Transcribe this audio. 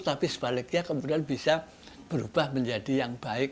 tapi sebaliknya kemudian bisa berubah menjadi yang baik